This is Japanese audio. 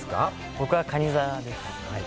僕は、かに座です。